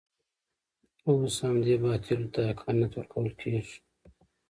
اوس همدې باطلو ته حقانیت ورکول کېږي.